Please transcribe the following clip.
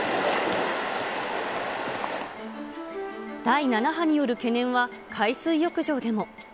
第７波による懸念は海水浴場でも。